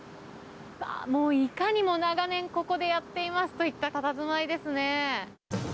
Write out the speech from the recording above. あー、もういかにも長年、ここでやっていますといったたたずまいですね。